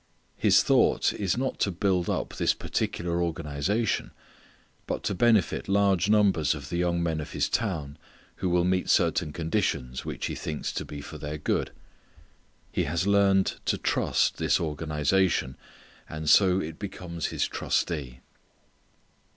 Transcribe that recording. His thought is not to build up this particular organization, but to benefit large numbers of the young men of his town who will meet certain conditions which he thinks to be for their good. He has learned to trust this organization, and so it becomes his trustee.